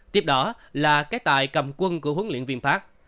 tiếp đó là cái tài cầm quân của huấn luyện viên park